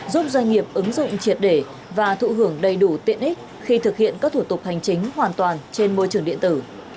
giúp doanh nghiệp ứng dụng triệt để và thụ hưởng đầy đủ tiện ích khi thực hiện các thủ tục hành chính hoàn toàn trên môi trường điện tử